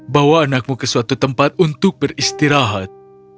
bawa anakmu ke suatu tempat untuk beristirahat